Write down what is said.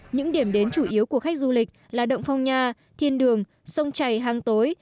những điểm đến chủ yếu của khách du lịch là động phong nha thiên đường sông chảy hang tối